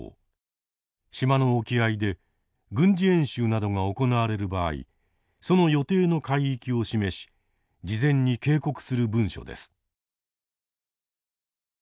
島の沖合で軍事演習などが行われる場合その予定の海域を示し事前に警告する文書です。